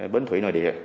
bến thủy nội địa